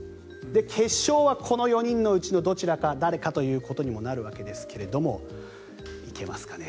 決勝はこの４人のうちのどちらか誰かということになるわけですが行けますかね？